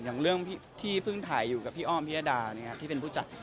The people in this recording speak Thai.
อย่างเรื่องที่เพิ่งถ่ายอยู่กับพี่อ้อมพิยดาที่เป็นผู้จัด